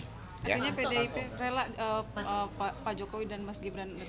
artinya pdip rela pak jokowi dan mas gibran